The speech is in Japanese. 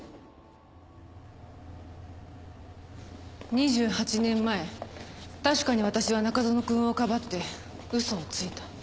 ２８年前確かに私は中園くんをかばって嘘をついた。